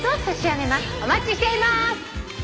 お待ちしていまーす！